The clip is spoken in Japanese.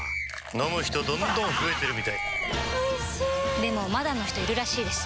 飲む人どんどん増えてるみたいおいしでもまだの人いるらしいですよ